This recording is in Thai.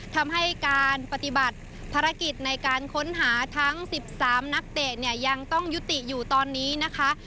ทำให้การปฏิบัติภารกิจในการค้นหาทั้ง๑๓นักเตะเนี่ยยังต้องยุติอยู่ตอนนี้นะคะ